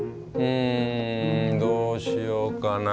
うんどうしようかな。